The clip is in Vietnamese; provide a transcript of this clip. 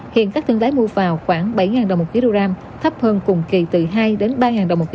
hiện các thương lái mua vào khoảng bảy đồng một kg thấp hơn cùng kỳ từ hai đến ba đồng một kg